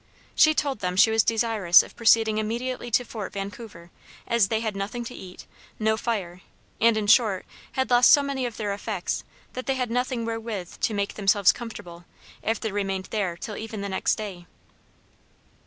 She told them she was desirous of proceeding immediately to Fort Vancouver, as they had nothing to eat, no fire, and, in short, had lost so many of their effects, that they had nothing wherewith to make themselves comfortable, if they remained there till even the next day.